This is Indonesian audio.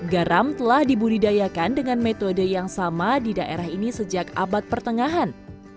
garam telah dibudidayakan dengan metode yang sama di daerah ini sejak abad pertengahan